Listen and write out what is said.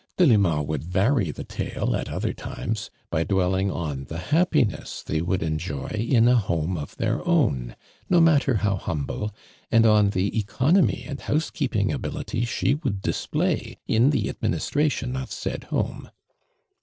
])elima would vary the tale at other times by <lwelling on the happiness they would onjoy in a homo of their own, — no matter how humble — and on the economy and housekeeping ability she would display in the administration of said homo.